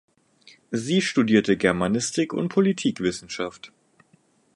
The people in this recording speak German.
Sie studierte Germanistik und Politikwissenschaft.